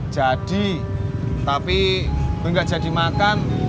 jadi tapi gue gak jadi makan